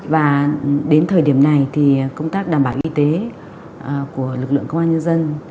và đến thời điểm này thì công tác đảm bảo y tế của lực lượng công an nhân dân